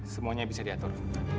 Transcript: semuanya bisa diatur